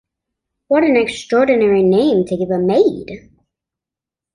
What an extraordinary name to give a maid!